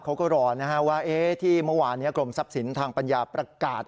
เขาก็รอว่าที่เมื่อวานนี้กรมทรัพย์สินทางปัญญาประกาศ